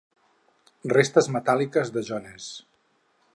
Restes metàl·liques de Jones.